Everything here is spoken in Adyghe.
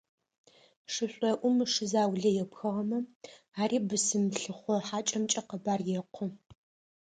Шышӏоӏум шы заулэ епхыгъэмэ, ари бысым лъыхъо хьакӏэмкӏэ къэбар екъу.